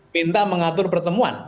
minta mengatur pertemuan